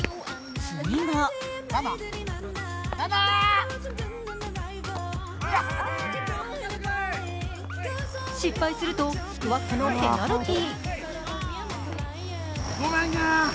次が失敗するとスクワットのペナルティー。